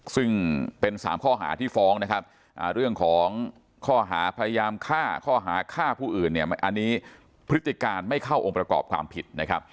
ซึ่งเป็น๓ข้อหาที่ฟ้องนะครับเรื่องของข้อหาพยายามฆ่าข้อหาฆ่าผู้อื่นเนี่ยอันนี้พฤติการไม่เข้าองค์ประกอบความผิดนะครับ